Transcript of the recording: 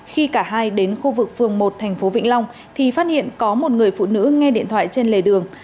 khi cả hai đến khu vực phường một thành phố vĩnh long thì phát hiện có một người phụ nữ nghe điện thoại trên lề đường